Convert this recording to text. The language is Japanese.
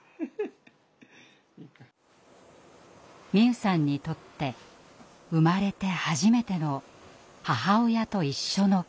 美夢さんにとって生まれて初めての母親と一緒の暮らし。